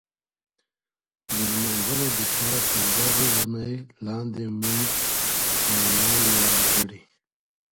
د لمانځلو دپاره تر دغي وني لاندي موږ بریاوې یادې کړې.